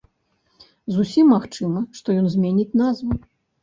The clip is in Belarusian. Зусім магчыма, што ён зменіць назву.